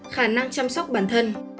khả năng chăm sóc bản thân